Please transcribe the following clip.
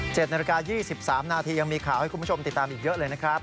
นาฬิกา๒๓นาทียังมีข่าวให้คุณผู้ชมติดตามอีกเยอะเลยนะครับ